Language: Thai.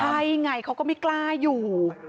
ใช่ไงเขาก็ไม่กล้าอยู่